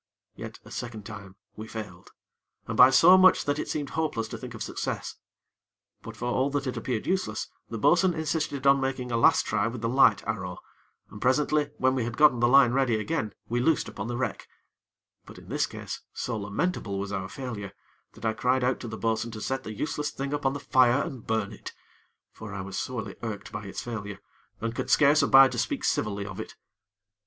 Yet, a second time we failed, and by so much that it seemed hopeless to think of success; but, for all that it appeared useless, the bo'sun insisted on making a last try with the light arrow, and, presently, when we had gotten the line ready again, we loosed upon the wreck; but in this case so lamentable was our failure, that I cried out to the bo'sun to set the useless thing upon the fire and burn it; for I was sorely irked by its failure, and could scarce abide to speak civilly of it.